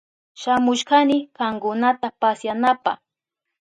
Shamushkani kankunata pasyanapa.